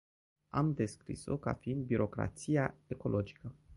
Am descris-o ca fiind "birocrația ecologică”.